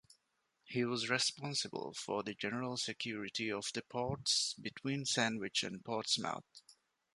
He was responsible for the general security of the ports between Sandwich and Portsmouth.